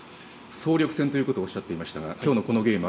総力戦ということをおっしゃっていましたが今日のこのゲーム